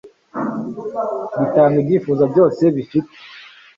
Bitanga ibyifuzo byose bifite